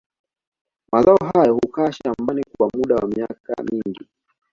Mazao hayo hukaa shambani kwa muda wa miaka mingi